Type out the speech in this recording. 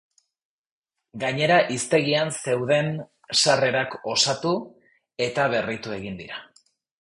Gainera, hiztegian zeuden sarrerak osatu eta berritu egin dira.